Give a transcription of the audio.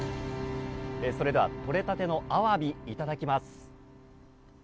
それでは採れたてのアワビいただきます。